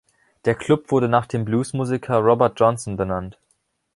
Der Club wurde nach dem Bluesmusiker Robert Johnson benannt.